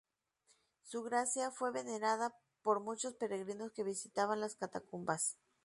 Su gracia fue venerada por muchos peregrinos que visitaban las catacumbas.